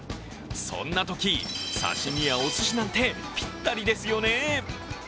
そんなとき、刺身やおすしなんてぴったりですよね。